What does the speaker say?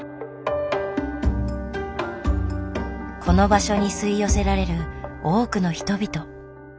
この場所に吸い寄せられる多くの人々。